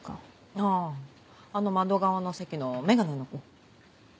あぁあの窓側の席のメガネの子。